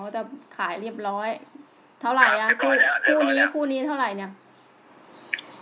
อ๋ออ๋อแต่ขายเรียบร้อยเท่าไหร่อ่ะเรียบร้อยอ่ะคู่นี้คู่นี้เท่าไหร่เนี่ย